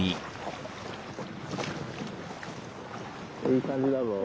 いい感じだぞ。